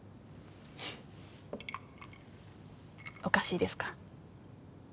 フッおかしいですか？